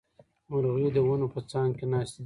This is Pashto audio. مرغۍ د ونو په څانګو کې ناستې دي